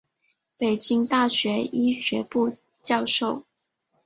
北京大学医学部教授。